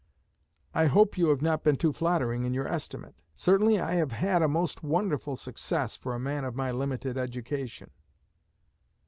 I hope you have not been too flattering in your estimate. Certainly I have had a most wonderful success for a man of my limited education."